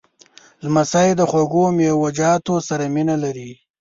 لمسی د خوږو میوهجاتو سره مینه لري.